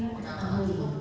yang akan membeli